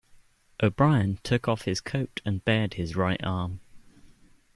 O'Brien took off his coat and bared his right arm.